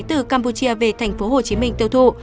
từ campuchia về thành phố hồ chí minh tiêu thụ